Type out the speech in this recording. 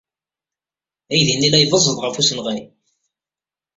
Aydi-nni la ibeẓẓeḍ ɣef usenɣay.